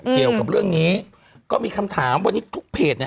เกี่ยวกับเรื่องนี้ก็มีคำถามวันนี้ทุกเพจเนี่ย